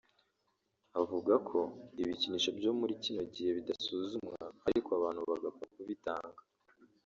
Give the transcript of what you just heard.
avuga ko ibikinisho byo muri kino gihe bidasuzumwa ariko abantu bagapfa kubitanga